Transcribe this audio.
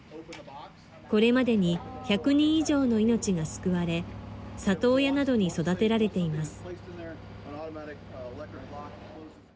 これまでに１００人以上の命が救われ、里親などに育てられています。